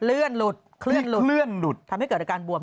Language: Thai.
เลื่อนหลุดเคลื่อนหลุดทำให้เกิดอาการบวม